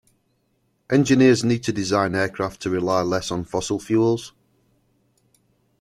Engineers need to design aircraft to rely less on fossil fuels.